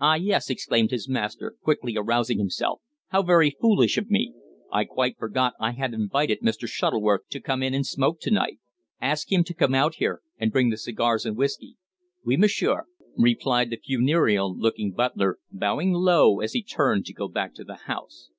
"Ah! yes," exclaimed his master, quickly arousing himself. "How very foolish of me! I quite forgot I had invited Mr. Shuttleworth to come in and smoke to night. Ask him to come out here, and bring the cigars and whisky." "Oui, M'sieur," replied the funereal looking butler, bowing low as he turned to go back to the house.